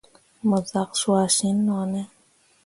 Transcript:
Mo zak cuah sin no ne ?